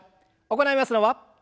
行いますのは。